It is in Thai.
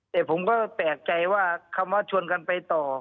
แต่ผมก็แปลกใจว่าคำว่าชวนกันไปต่อ